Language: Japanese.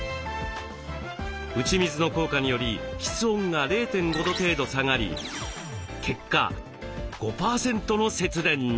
打ち水の効果により室温が０．５度程度下がり結果５％の節電に。